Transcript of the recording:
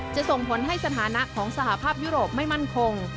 ส่งผลให้สถานะของสหภาพยุโรปไม่มั่นคง